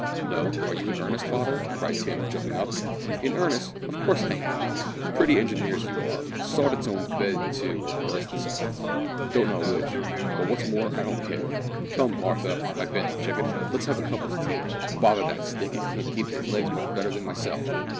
"No, are you in earnest, father?" cried Tim, jumping up. "In earnest! Of course I am. Pretty engineers you are. Sawed its own bed in two, or burst itself. Don't know which, and what's more I don't care. Come, Martha, my bantam chicken, let's have a cup of tea. Bother that stick, it can't keep its legs much better than myself.